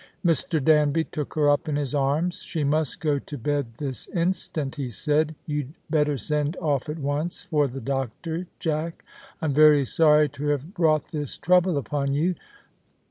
Mr. Danby took her up in his arms. " She must go to bed this instant," he said. " You'd 200 The Christmas Hirelings. better send off at once for tlie doctor, Jack. I'm very sorry to have brought this trouble upon you."